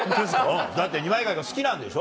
だって二枚貝が好きなんでしょ？